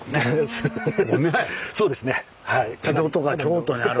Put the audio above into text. そうですねはい。